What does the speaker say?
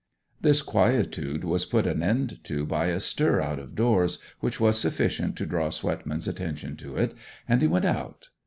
This quietude was put an end to by a stir out of doors, which was sufficient to draw Swetman's attention to it, and he went out.